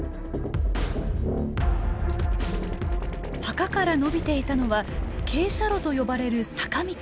墓からのびていたのは「傾斜路」と呼ばれる坂道。